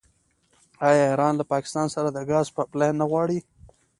آیا ایران له پاکستان سره د ګاز پایپ لاین نه غواړي؟